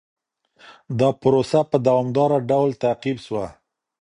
دا پروسه په دوامداره ډول تعقيب سوه.